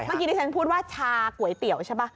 เมื่อกี้ที่ฉันพูดว่าชาก๋วยเตี๋ยวใช่ป่ะ